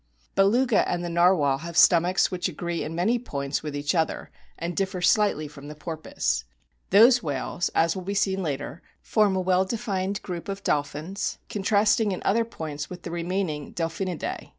SOME INTERNAL STRUCTURES 61 Beluga and the Narwhal have stomachs which o agree in many points with each other, and differ slightly from the porpoise. Those whales, as will be seen later, form a well defined group of dolphins contrasting in other points with the remaining Delphinidae.